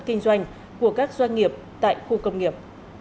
kinh doanh của các doanh nghiệp tại khu công nghiệp